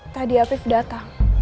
tadi afif datang